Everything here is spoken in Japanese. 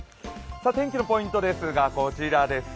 天気のポイントですがこちらです。